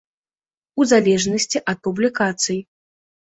У залежнасці ад публікацый.